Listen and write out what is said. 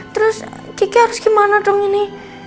terus kiki harus gimana dong ini